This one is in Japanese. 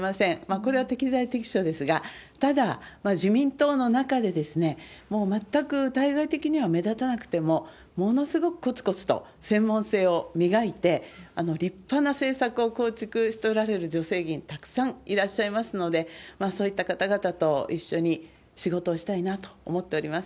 これは適材適所ですが、ただ自民党の中で、もう全く対外的には目立たなくても、ものすごくこつこつと専門性を磨いて、立派な政策を構築しておられる女性議員、たくさんいらっしゃいますので、そういった方々と一緒に仕事をしたいなと思っております。